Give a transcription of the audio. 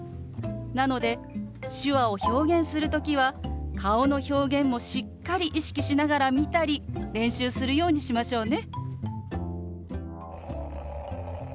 なので手話を表現する時は顔の表現もしっかり意識しながら見たり練習するようにしましょうね。